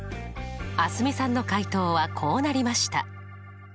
蒼澄さんの解答はこうなりました。